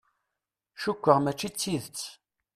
Cukkeɣ mačči d tidett.